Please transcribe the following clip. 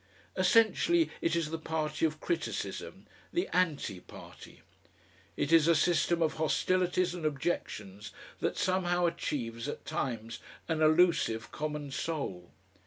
Essentially it is the party of criticism, the "Anti" party. It is a system of hostilities and objections that somehow achieves at times an elusive common soul.